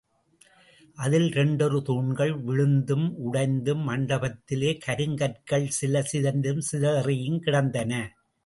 அதில் இரண்டொரு தூண்கள் விழுந்தும் உடைந்தும், மண்டபத்திலே கருங்கற்கள் சில சிதைந்தும், சிதறியும் கிடந்தன.